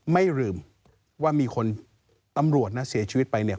ไม่ลืมว่ามีคนตำรวจนะเสียชีวิตไปเนี่ย